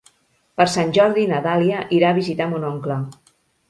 Per Sant Jordi na Dàlia irà a visitar mon oncle.